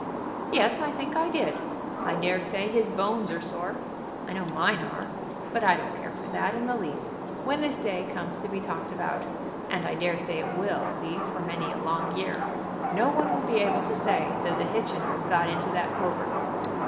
"Yes; I think I did. I dare say his bones are sore. I know mine are. But I don't care for that in the least. When this day comes to be talked about, as I dare say it will be for many a long year, no one will be able to say that the Hitchiners got into that covert."